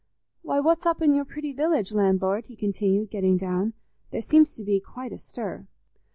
"Why, what's up in your pretty village, landlord?" he continued, getting down. "There seems to be quite a stir."